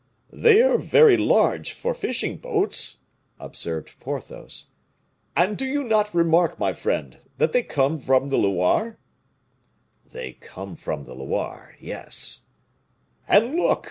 "They are very large for fishing boats," observed Porthos, "and do you not remark, my friend, that they come from the Loire?" "They come from the Loire yes " "And look!